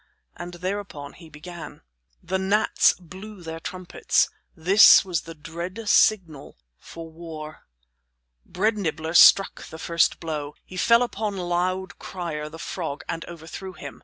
And thereupon he began: The gnats blew their trumpets. This was the dread signal for war. Bread Nibbler struck the first blow. He fell upon Loud Crier the frog, and overthrew him.